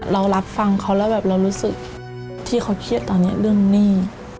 เรารับฟังเขาแล้วแบบเรารู้สึกที่เขาเครียดตอนนี้เรื่องหนี้